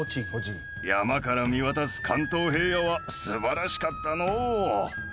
山から見渡す関東平野は素晴らしかったのう。